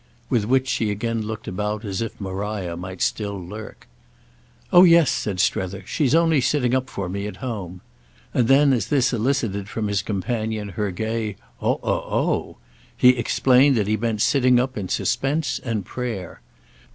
With which she again looked about as if Maria might still lurk. "Oh yes," said Strether; "she's only sitting up for me at home." And then as this elicited from his companion her gay "Oh, oh, oh!" he explained that he meant sitting up in suspense and prayer.